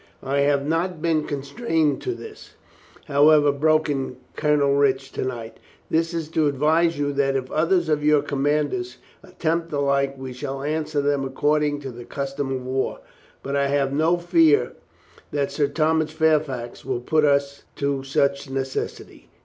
I have not been constrained to this, having broken Colonel Rich to night. This is to advise you that if others of your commanders attempt the like, we shall an swer them .according to the custom of war, but I have no fear that Sir Thomas Fairfax will put us to such necessity.